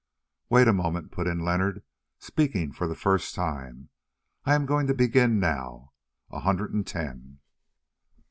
"Wait a moment," put in Leonard, speaking for the first time. "I am going to begin now. A hundred and ten."